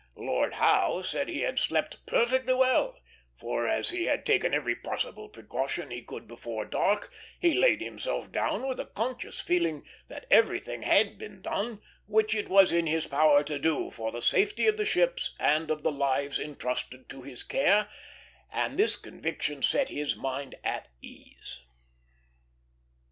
Lord Howe said he had slept perfectly well, for, as he had taken every possible precaution he could before dark, he laid himself down with a conscious feeling that everything had been done which it was in his power to do for the safety of the ships and of the lives intrusted to his care, and this conviction set his mind at ease."